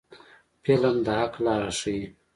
فلم د حق لاره ښيي